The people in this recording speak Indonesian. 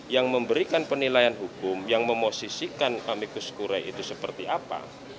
yang memberikan penilaian hukum yang memosisikan amikus kure itu seperti apa